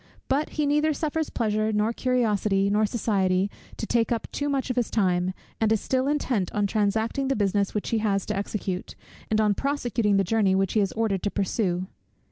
But he neither suffers pleasure, nor curiosity, nor society, to take up too much of his time, and is still intent on transacting the business which he has to execute, and on prosecuting the journey which he is ordered to pursue.